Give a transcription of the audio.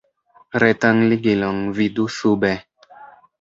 Retan ligilon vidu sube.